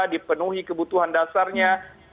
dipenuhi kebutuhan dasarnya